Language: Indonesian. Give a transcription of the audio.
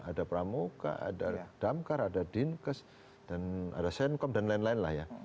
ada pramuka ada damkar ada dinkes dan ada senkom dan lain lain lah ya